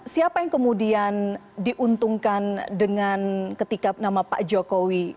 siapa yang kemudian diuntungkan dengan ketika nama pak jokowi